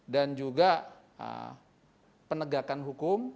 dan juga penegakan hukum